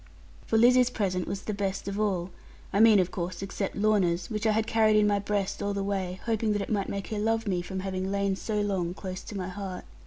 For Lizzie's present was the best of all, I mean, of course, except Lorna's (which I carried in my breast all the way, hoping that it might make her love me, from having lain so long, close to my heart).